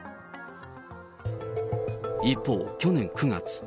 一方、去年９月。